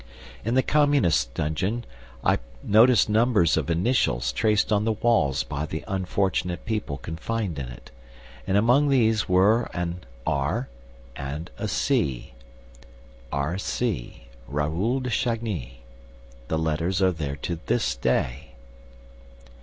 In the Communists' dungeon, I noticed numbers of initials traced on the walls by the unfortunate people confined in it; and among these were an "R" and a "C." R. C.: Raoul de Chagny. The letters are there to this day.